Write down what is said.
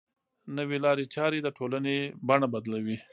نوې لارې چارې د ټولنې بڼه بدلوي.